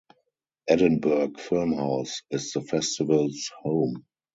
Edinburgh Filmhouse is the festival's home.